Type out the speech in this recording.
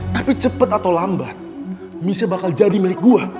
tapi cepet atau lambat nisa bakal jadi melek gue